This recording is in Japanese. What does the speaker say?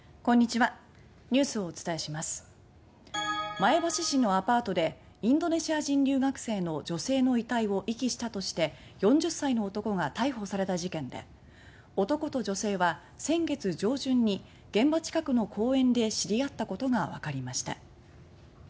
前橋市のアパートでインドネシア人留学生の女性の遺体を遺棄したとして４０歳の男が逮捕された事件で男と女性は先月上旬に現場近くの公園で知り合ったことがわかりました。